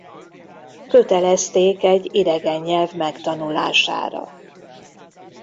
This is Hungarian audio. Kötelezték egy idegen nyelv megtanulására.